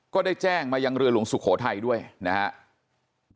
ก็ได้แจ้งมายังเรือหลวงสุโขทัยด้วยนะครับ